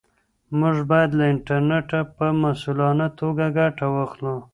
موږ باید له انټرنیټه په مسؤلانه توګه ګټه واخلو.